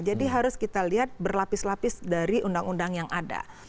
jadi harus kita lihat berlapis lapis dari undang undang yang ada